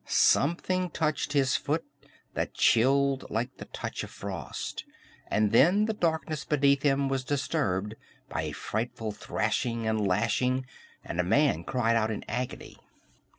Something touched his foot that chilled like the touch of frost, and then the darkness beneath him was disturbed by a frightful thrashing and lashing, and a man cried out in agony.